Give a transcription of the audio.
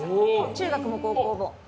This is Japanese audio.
中学も高校も。